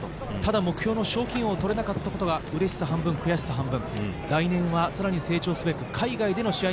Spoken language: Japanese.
ただ目標の賞金王を取れなかったことがうれしさ半分、悔しさ半分。